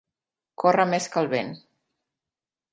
Córrer més que el vent.